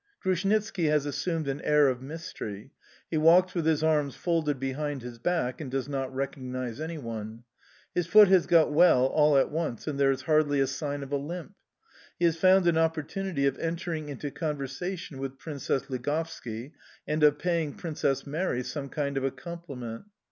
Grushnitski has assumed an air of mystery; he walks with his arms folded behind his back and does not recognise anyone. His foot has got well all at once, and there is hardly a sign of a limp. He has found an opportunity of entering into conversation with Princess Ligovski and of paying Princess Mary some kind of a compliment.